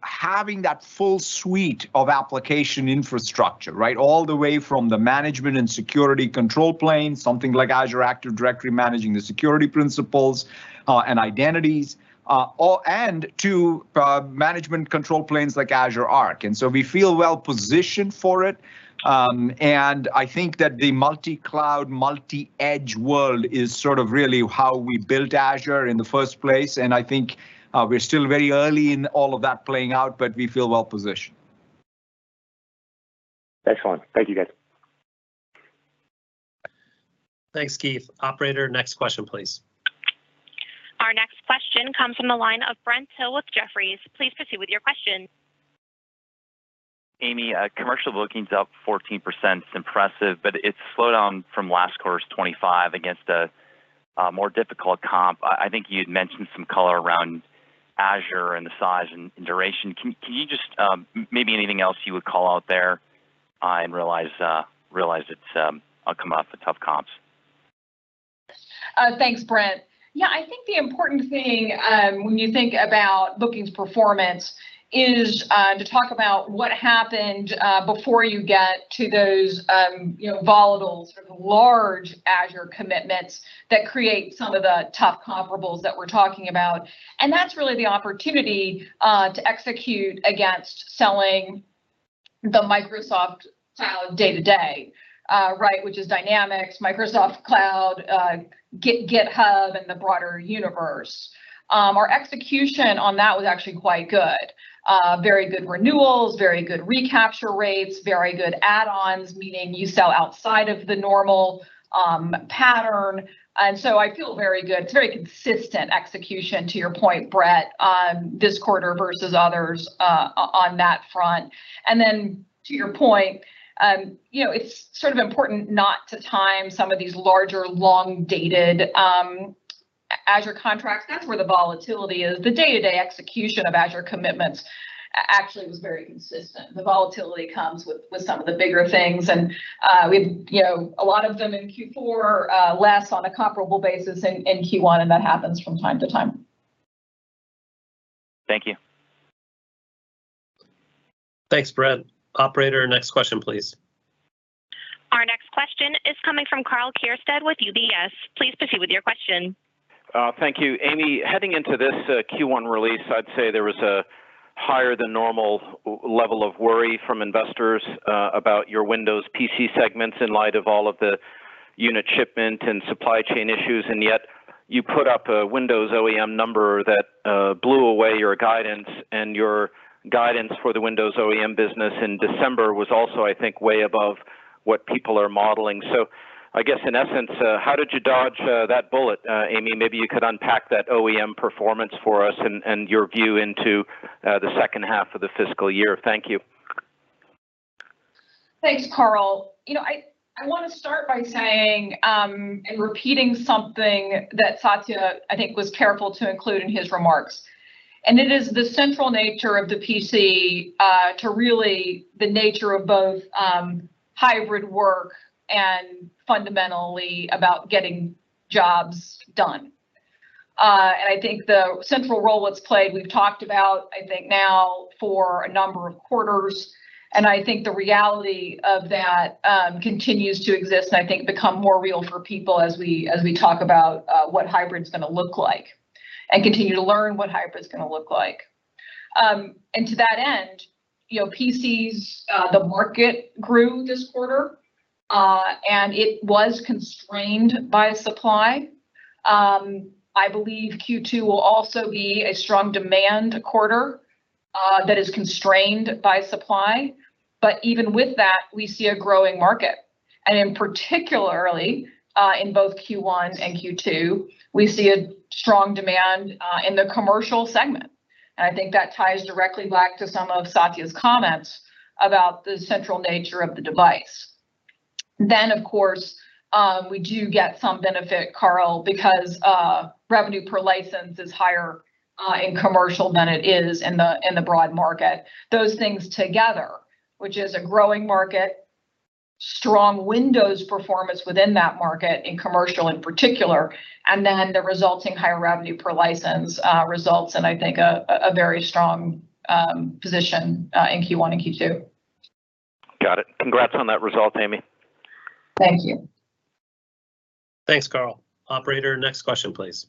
having that full suite of application infrastructure, right? All the way from the management and security control plane, something like Azure Active Directory managing the security principals and identities, or to management control planes like Azure Arc. We feel well positioned for it. I think that the multi-cloud, multi-edge world is sort of really how we built Azure in the first place, and I think we're still very early in all of that playing out, but we feel well-positioned. Excellent. Thank you, guys. Thanks, Keith. Operator, next question, please. Our next question comes from the line of Brent Thill with Jefferies. Please proceed with your question. Amy, commercial bookings up 14% is impressive, but it slowed down from last quarter's 25 against a more difficult comp. I think you had mentioned some color around Azure and the size and duration. Can you just maybe anything else you would call out there? I realize it's coming up with tough comps. Thanks, Brent. Yeah, I think the important thing, when you think about bookings performance is, to talk about what happened, before you get to those, you know, volatile sort of large Azure commitments that create some of the tough comparables that we're talking about. That's really the opportunity, to execute against selling the Microsoft Cloud day-to-day. Right, which is Dynamics, Microsoft Cloud, GitHub and the broader universe. Our execution on that was actually quite good. Very good renewals, very good recapture rates, very good add-ons, meaning you sell outside of the normal, pattern. I feel very good. It's very consistent execution to your point, Brett, this quarter versus others, on that front. To your point, you know, it's sort of important not to time some of these larger, long-dated Azure contracts. That's where the volatility is. The day-to-day execution of Azure commitments actually was very consistent. The volatility comes with some of the bigger things and we've, you know, a lot of them in Q4, less on a comparable basis in Q1 and that happens from time to time. Thank you. Thanks, Brent. Operator, next question, please. Our next question is coming from Karl Keirstead with UBS. Please proceed with your question. Thank you. Amy, heading into this Q1 release, I'd say there was a higher than normal level of worry from investors about your Windows PC segments in light of all of the unit shipment and supply chain issues. Yet you put up a Windows OEM number that blew away your guidance. Your guidance for the Windows OEM business in December was also, I think, way above what people are modeling. I guess in essence, how did you dodge that bullet, Amy? Maybe you could unpack that OEM performance for us and your view into the second half of the fiscal year. Thank you. Thanks, Karl. You know, I wanna start by saying and repeating something that Satya, I think, was careful to include in his remarks. It is the central nature of the PC really the nature of both hybrid work and fundamentally about getting jobs done. I think the central role that's played, we've talked about, I think now, for a number of quarters. I think the reality of that continues to exist, and I think become more real for people as we talk about what hybrid's gonna look like, and continue to learn what hybrid's gonna look like. To that end, you know, PCs, the market grew this quarter, and it was constrained by supply. I believe Q2 will also be a strong demand quarter that is constrained by supply. Even with that, we see a growing market. In particular, in both Q1 and Q2, we see a strong demand in the commercial segment. I think that ties directly back to some of Satya's comments about the central nature of the device. Of course, we do get some benefit, Karl, because revenue per license is higher in commercial than it is in the broad market. Those things together, which is a growing market, strong Windows performance within that market, in commercial in particular, and then the resulting higher revenue per license, results in, I think, a very strong position in Q1 and Q2. Got it. Congrats on that result, Amy. Thank you. Thanks, Karl. Operator, next question, please.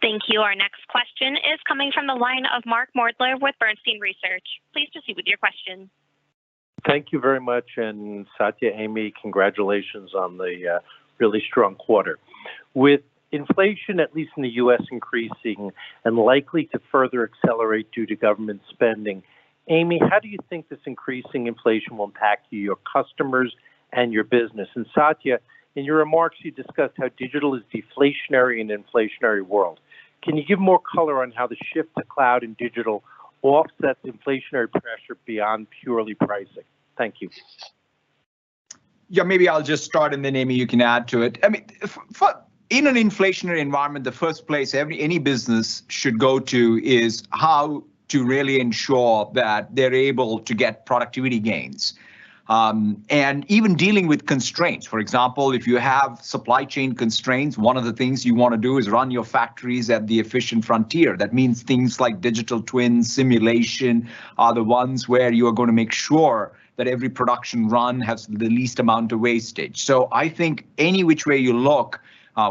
Thank you. Our next question is coming from the line of Mark Moerdler with Bernstein Research. Please proceed with your question. Thank you very much, and Satya, Amy, congratulations on the really strong quarter. With inflation, at least in the U.S., increasing and likely to further accelerate due to government spending, Amy, how do you think this increasing inflation will impact you, your customers, and your business? Satya, in your remarks, you discussed how digital is deflationary in an inflationary world. Can you give more color on how the shift to cloud and digital offsets inflationary pressure beyond purely pricing? Thank you. Yeah, maybe I'll just start and then, Amy, you can add to it. I mean, in an inflationary environment, the first place every any business should go to is how to really ensure that they're able to get productivity gains. Even dealing with constraints. For example, if you have supply chain constraints, one of the things you wanna do is run your factories at the efficient frontier. That means things like digital twins, simulation, are the ones where you're gonna make sure that every production run has the least amount of wastage. I think any which way you look,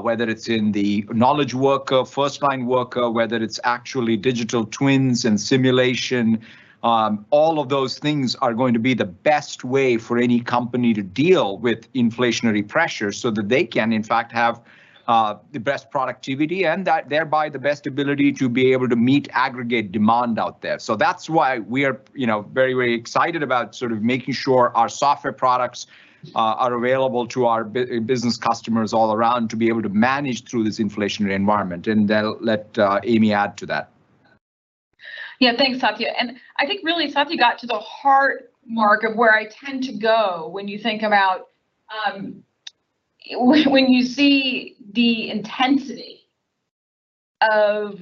whether it's in the knowledge worker, first-line worker, whether it's actually digital twins and simulation, all of those things are going to be the best way for any company to deal with inflationary pressure so that they can, in fact, have the best productivity and that thereby the best ability to be able to meet aggregate demand out there. That's why we are, you know, very, very excited about sort of making sure our software products are available to our business customers all around to be able to manage through this inflationary environment. I'll let Amy add to that. Yeah, thanks, Satya. I think really Satya got to the heart, Mark, of where I tend to go when you think about when you see the intensity of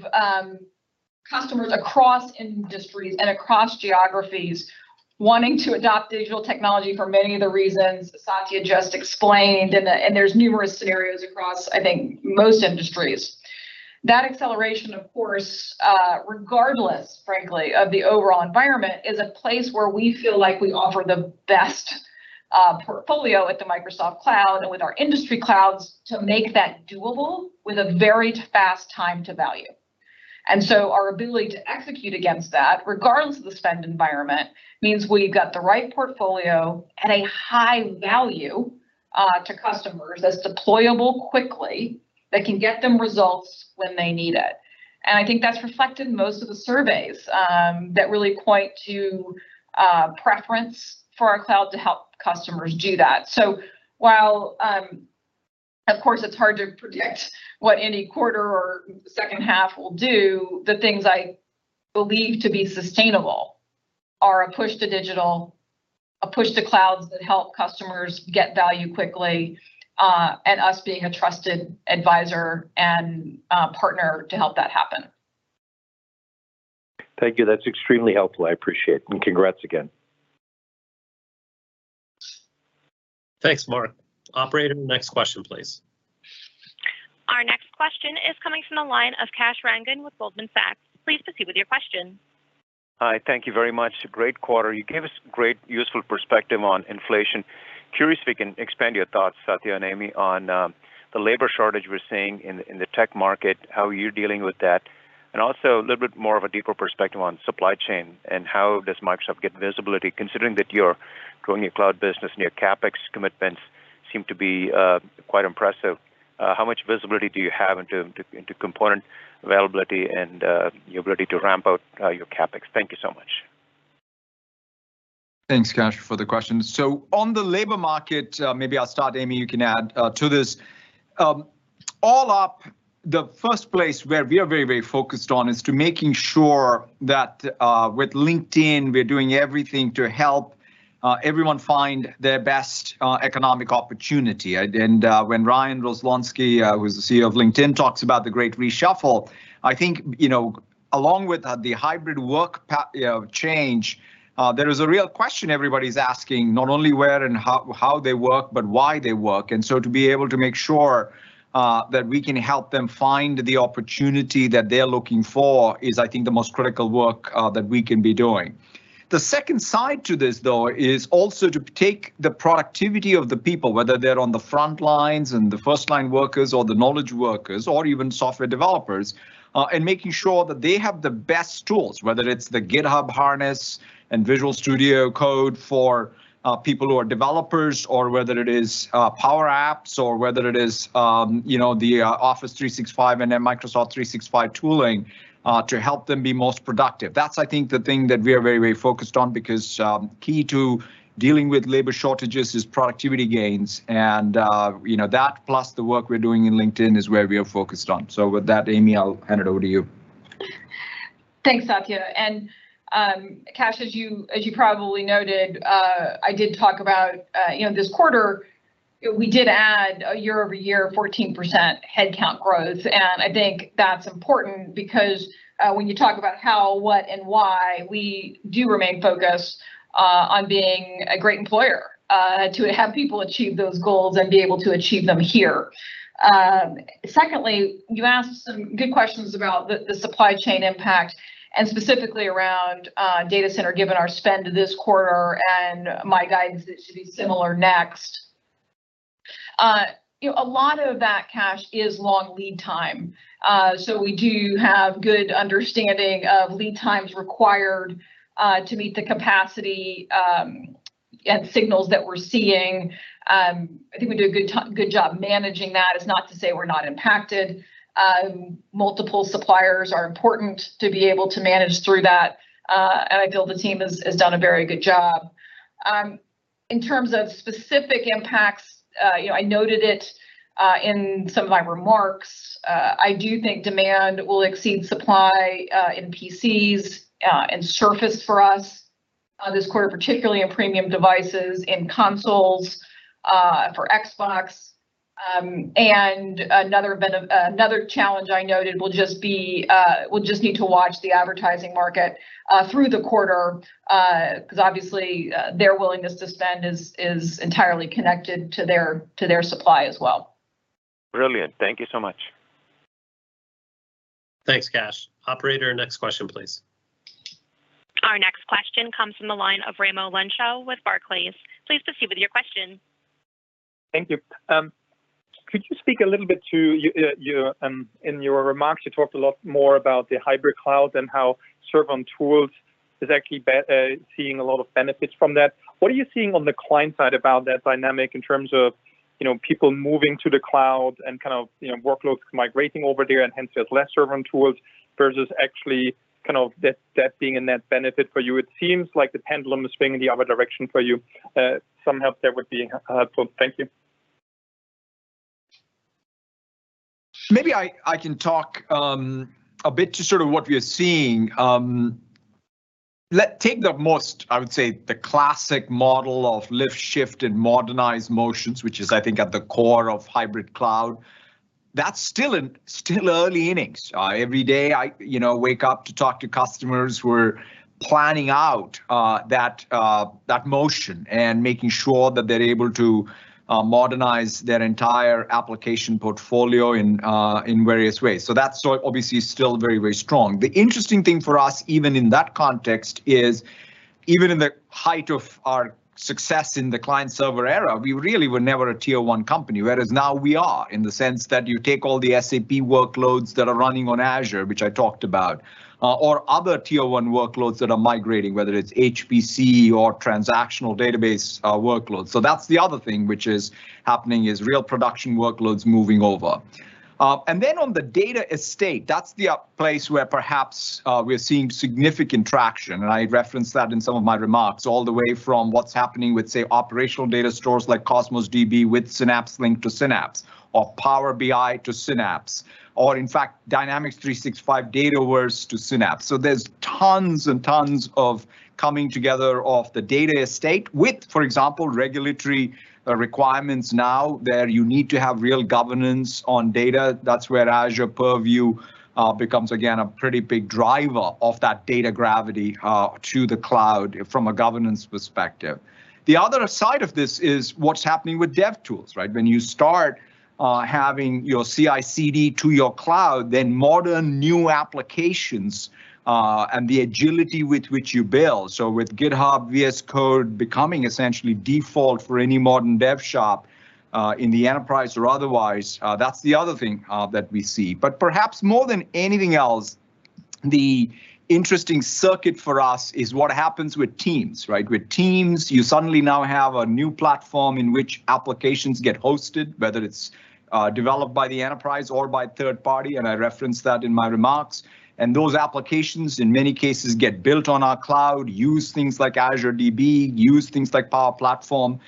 customers across industries and across geographies wanting to adopt digital technology for many of the reasons Satya just explained. There's numerous scenarios across, I think, most industries. That acceleration, of course, regardless, frankly, of the overall environment, is a place where we feel like we offer the best portfolio at the Microsoft Cloud and with our industry clouds to make that doable with a very fast time to value. Our ability to execute against that, regardless of the spend environment, means we've got the right portfolio at a high value to customers, that's deployable quickly, that can get them results when they need it. I think that's reflected in most of the surveys that really point to preference for our cloud to help customers do that. While, of course, it's hard to predict what any quarter or second half will do, the things I believe to be sustainable are a push to digital, a push to clouds that help customers get value quickly, and us being a trusted advisor and partner to help that happen. Thank you. That's extremely helpful. I appreciate it. Congrats again. Thanks, Mark. Operator, next question, please. Our next question is coming from the line of Kash Rangan with Goldman Sachs. Please proceed with your question. Hi. Thank you very much. Great quarter. You gave us great, useful perspective on inflation. Curious if you can expand your thoughts, Satya and Amy, on the labor shortage we're seeing in the tech market, how are you dealing with that? Also a little bit more of a deeper perspective on supply chain and how does Microsoft get visibility considering that you're growing your cloud business and your CapEx commitments. Seem to be quite impressive. How much visibility do you have into component availability and your ability to ramp up your CapEx? Thank you so much. Thanks, Kash, for the question. On the labor market, maybe I'll start, Amy, you can add to this. All up, the first place where we are very, very focused on is to making sure that with LinkedIn, we're doing everything to help everyone find their best economic opportunity. When Ryan Roslansky, who's the CEO of LinkedIn, talks about the great reshuffle, I think, you know, along with the hybrid work change, there is a real question everybody's asking, not only where and how they work, but why they work. To be able to make sure that we can help them find the opportunity that they're looking for is, I think, the most critical work that we can be doing. The second side to this, though, is also to take the productivity of the people, whether they're on the front lines and the first line workers or the knowledge workers or even software developers, and making sure that they have the best tools, whether it's the GitHub and Visual Studio Code for people who are developers or whether it is Power Apps or whether it is, you know, the Office 365 and then Microsoft 365 tooling to help them be most productive. That's, I think, the thing that we are very, very focused on because key to dealing with labor shortages is productivity gains. You know, that plus the work we're doing in LinkedIn is where we are focused on. With that, Amy, I'll hand it over to you. Thanks, Satya. Kash, as you probably noted, I did talk about, you know, this quarter, we did add a year-over-year 14% head count growth. I think that's important because, when you talk about how, what, and why, we do remain focused on being a great employer to have people achieve those goals and be able to achieve them here. Secondly, you asked some good questions about the supply chain impact and specifically around data center, given our spend this quarter and my guidance that it should be similar next. You know, a lot of that, Kash, is long lead time. So we do have good understanding of lead times required to meet the capacity and signals that we're seeing. I think we do a good job managing that. It's not to say we're not impacted. Multiple suppliers are important to be able to manage through that. I feel the team has done a very good job. In terms of specific impacts, you know, I noted it in some of my remarks. I do think demand will exceed supply in PCs and Surface for us this quarter, particularly in premium devices, in consoles for Xbox. Another challenge I noted is we'll just need to watch the advertising market through the quarter because obviously their willingness to spend is entirely connected to their supply as well. Brilliant. Thank you so much. Thanks, Kash. Operator, next question, please. Our next question comes from the line of Raimo Lenschow with Barclays. Please proceed with your question. Thank you. Could you speak a little bit to your remarks? You talked a lot more about the hybrid cloud and how Server and Tools is actually seeing a lot of benefits from that. What are you seeing on the client side about that dynamic in terms of, you know, people moving to the cloud and kind of, you know, workloads migrating over there, and hence there's less Server and Tools versus actually kind of that being a net benefit for you? It seems like the pendulum is swinging in the other direction for you. Anyhow, that would be helpful. Thank you. Maybe I can talk a bit to sort of what we are seeing. Take the most, I would say, the classic model of lift, shift, and modernize motions, which is I think at the core of hybrid cloud. That's still early innings. Every day, you know, I wake up to talk to customers who are planning out that motion and making sure that they're able to modernize their entire application portfolio in various ways. That's obviously still very, very strong. The interesting thing for us, even in that context, is even in the height of our success in the client-server era, we really were never a tier one company, whereas now we are, in the sense that you take all the SAP workloads that are running on Azure, which I talked about, or other tier one workloads that are migrating, whether it's HPC or transactional database workloads. That's the other thing which is happening is real production workloads moving over. Then on the data estate, that's the place where perhaps we're seeing significant traction. I referenced that in some of my remarks, all the way from what's happening with, say, operational data stores like Cosmos DB with Synapse Link to Synapse or Power BI to Synapse, or in fact, Dynamics 365 Dataverse to Synapse. There's tons and tons of coming together of the data estate with, for example, regulatory requirements now where you need to have real governance on data. That's where Azure Purview becomes again a pretty big driver of that data gravity to the cloud from a governance perspective. The other side of this is what's happening with dev tools, right? When you start having your CI/CD to your cloud, then modern new applications and the agility with which you build. With GitHub, VS Code becoming essentially default for any modern dev shop in the enterprise or otherwise, that's the other thing that we see. Perhaps more than anything else, the interesting circuit for us is what happens with Teams, right? With Teams, you suddenly now have a new platform in which applications get hosted, whether it's developed by the enterprise or by third party, and I referenced that in my remarks, and those applications in many cases get built on our cloud, use things like Azure DB, use things like Power Platform.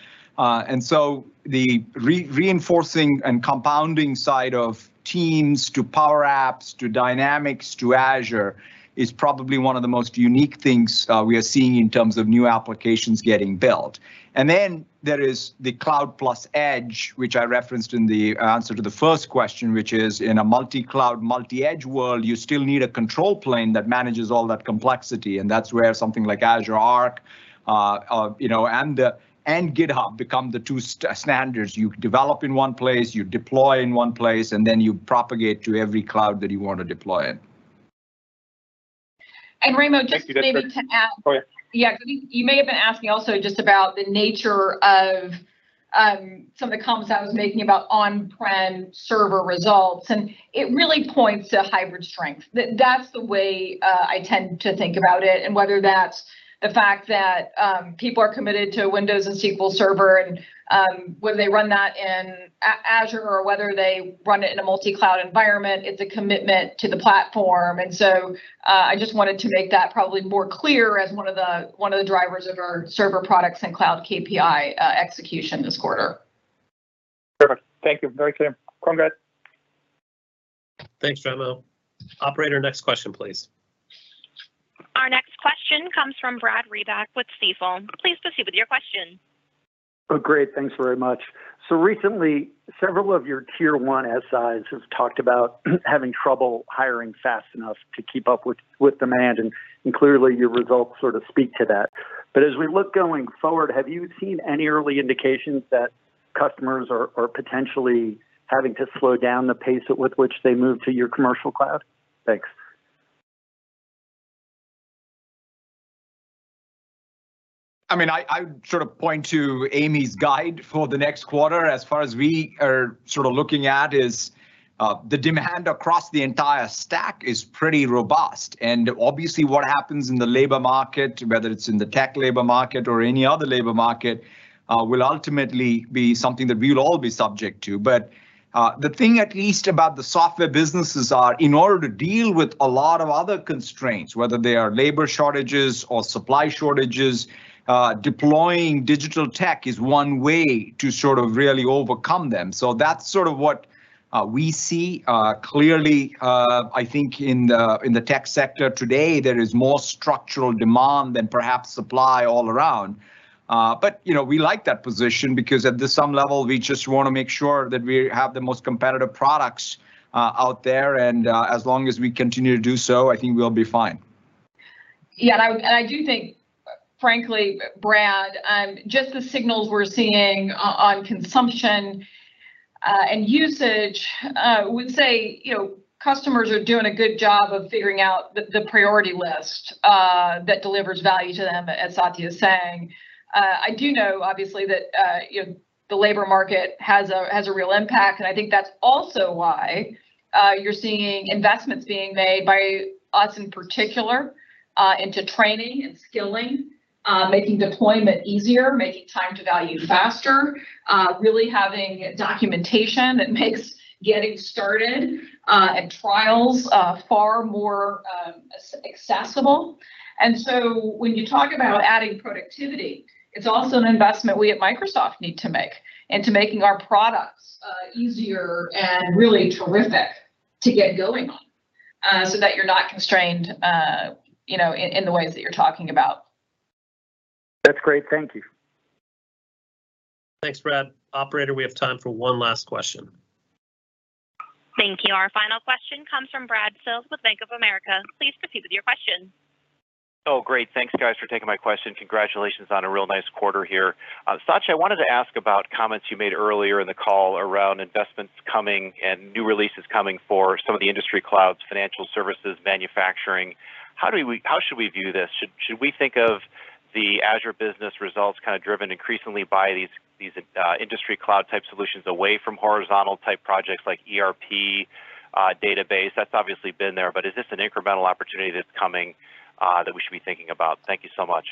The reinforcing and compounding side of Teams to Power Apps to Dynamics to Azure is probably one of the most unique things we are seeing in terms of new applications getting built. Then there is the cloud plus edge, which I referenced in the answer to the first question, which is in a multi-cloud, multi-edge world, you still need a control plane that manages all that complexity, and that's where something like Azure Arc, you know, and GitHub become the two standards. You develop in one place, you deploy in one place, and then you propagate to every cloud that you want to deploy in. Raimo, just maybe to add. Thank you. That's great. Go ahead. Yeah. You may have been asking also just about the nature of some of the comments I was making about on-prem server results, and it really points to hybrid strength. That's the way I tend to think about it, and whether that's the fact that people are committed to a Windows and SQL Server and whether they run that in Azure or whether they run it in a multi-cloud environment, it's a commitment to the platform. I just wanted to make that probably more clear as one of the drivers of our server products and cloud KPI execution this quarter. Perfect. Thank you. Very clear. Congrats. Thanks, Raimo. Operator, next question, please. Our next question comes from Brad Reback with Stifel. Please proceed with your question. Oh, great. Thanks very much. Recently, several of your tier one SIs have talked about having trouble hiring fast enough to keep up with demand, and clearly your results sort of speak to that. As we look going forward, have you seen any early indications that customers are potentially having to slow down the pace at which they move to your commercial cloud? Thanks. I mean, I sort of point to Amy's guide for the next quarter as far as we are sort of looking at is, the demand across the entire stack is pretty robust. Obviously what happens in the labor market, whether it's in the tech labor market or any other labor market, will ultimately be something that we'll all be subject to. The thing at least about the software businesses are in order to deal with a lot of other constraints, whether they are labor shortages or supply shortages, deploying digital tech is one way to sort of really overcome them. That's sort of what we see. Clearly, I think in the tech sector today, there is more structural demand than perhaps supply all around. You know, we like that position because at some level we just wanna make sure that we have the most competitive products out there, and as long as we continue to do so, I think we'll be fine. Yeah, I do think frankly, Brad, just the signals we're seeing on consumption and usage would say, you know, customers are doing a good job of figuring out the priority list that delivers value to them, as Satya is saying. I do know obviously that, you know, the labor market has a real impact, and I think that's also why you're seeing investments being made by us in particular into training and skilling, making deployment easier, making time to value faster, really having documentation that makes getting started and trials far more accessible. When you talk about adding productivity, it's also an investment we at Microsoft need to make into making our products easier and really terrific to get going on, so that you're not constrained, you know, in the ways that you're talking about. That's great. Thank you. Thanks, Brad. Operator, we have time for one last question. Thank you. Our final question comes from Brad Sills with Bank of America. Please proceed with your question. Oh, great. Thanks, guys, for taking my question. Congratulations on a real nice quarter here. Satya, I wanted to ask about comments you made earlier in the call around investments coming and new releases coming for some of the industry clouds, financial services, manufacturing. How should we view this? Should we think of the Azure business results kind of driven increasingly by these industry cloud type solutions away from horizontal type projects like ERP, database? That's obviously been there, but is this an incremental opportunity that's coming that we should be thinking about? Thank you so much.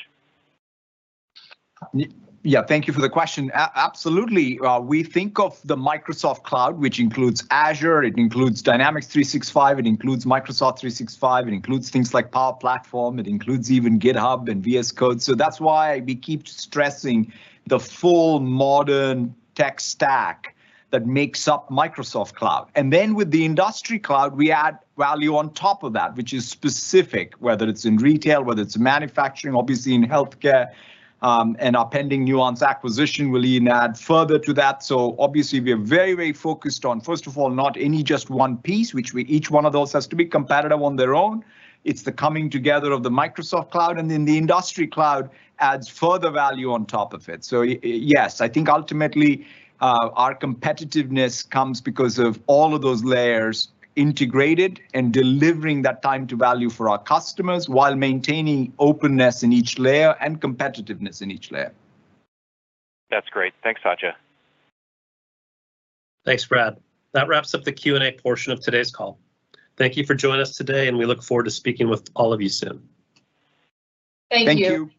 Yeah, thank you for the question. Absolutely, we think of the Microsoft Cloud, which includes Azure. It includes Dynamics 365. It includes Microsoft 365. It includes things like Power Platform. It includes even GitHub and VS Code. That's why we keep stressing the full modern tech stack that makes up Microsoft Cloud. With the industry cloud, we add value on top of that, which is specific, whether it's in retail, whether it's manufacturing, obviously in healthcare, and our pending Nuance acquisition will even add further to that. We are very, very focused on, first of all, not just any one piece, which each one of those has to be competitive on their own. It's the coming together of the Microsoft Cloud, and then the industry cloud adds further value on top of it. Yes, I think ultimately, our competitiveness comes because of all of those layers integrated and delivering that time to value for our customers while maintaining openness in each layer and competitiveness in each layer. That's great. Thanks, Satya. Thanks, Brad. That wraps up the Q&A portion of today's call. Thank you for joining us today, and we look forward to speaking with all of you soon. Thank you. Thank you.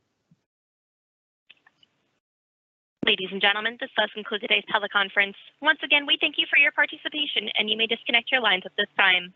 Ladies and gentlemen, this does conclude today's teleconference. Once again, we thank you for your participation, and you may disconnect your lines at this time.